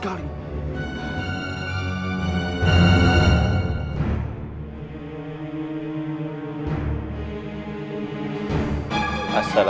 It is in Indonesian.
kenapa dia hebat sekali